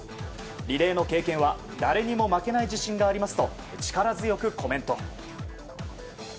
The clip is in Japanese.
リレーの経験は誰にも負けない自信がありますと力強くコメント。